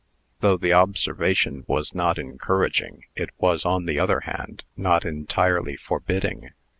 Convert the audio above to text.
Though the observation was not encouraging, it was, on the other hand, not entirely forbidding.